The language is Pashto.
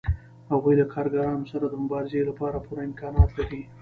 هغوی له کارګرانو سره د مبارزې لپاره پوره امکانات لري